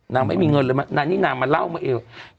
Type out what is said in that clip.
ไม่มีเงินเลยนางนี่นางมาเล่ามาเอง